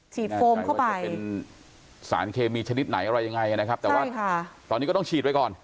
โฟมเข้าไปเป็นสารเคมีชนิดไหนอะไรยังไงนะครับแต่ว่าตอนนี้ก็ต้องฉีดไว้ก่อน